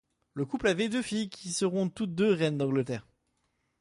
Le couple avait deux filles qui seront toutes deux reines d'Angleterre.